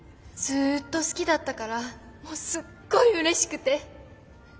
ずっと好きだったからもうすっごいうれしくて。